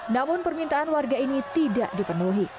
namun permintaan warga ini tidak dipenuhi